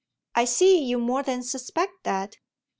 "I see you more than suspect that.